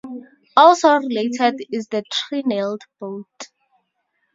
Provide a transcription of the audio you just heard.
Also related is the treenailed boat.